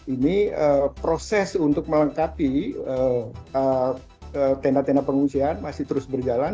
ini proses untuk melengkapi tenda tenda pengungsian masih terus berjalan